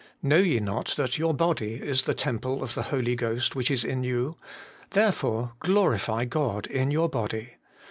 Know ye not that your body is the temple of the Holy Ghost which is in you ; therefore glorify God in your body.'